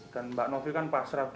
dan mbak novi kan pas serabda